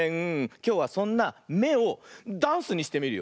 きょうはそんな「め」をダンスにしてみるよ。